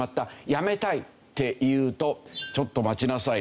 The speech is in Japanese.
「やめたい」って言うと「ちょっと待ちなさい。